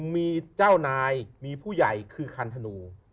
มีเจ้านายมีผู้ใหญ่คือคันธนู